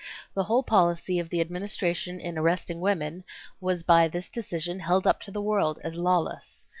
The whole policy of the Administration in arresting women was by this decision held up to the world as lawless.